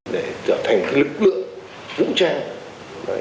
để trở thành cái lực lượng vũ trang